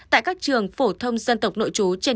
tại các trường phổ thông dân tộc nội trú